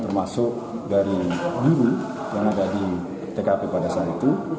termasuk dari guru yang ada di tkp pada saat itu